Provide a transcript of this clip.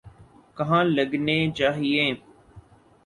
کہاں لگنے چاہئیں۔